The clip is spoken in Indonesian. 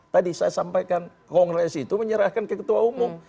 tadi saya sampaikan kongres itu menyerahkan ke ketua umum